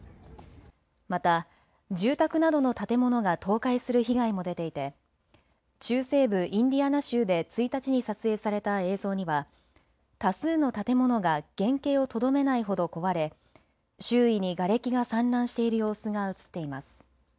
また住宅などの建物が倒壊する被害も出ていて中西部インディアナ州で１日に撮影された映像には多数の建物が原形をとどめないほど壊れ、周囲にがれきが散乱している様子が写っています。